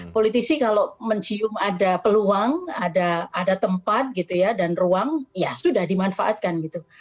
politisi kalau mencium ada peluang ada tempat gitu ya dan ruang ya sudah dimanfaatkan gitu